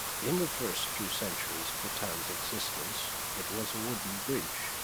In the first few centuries of the town's existence, it was a wooden bridge.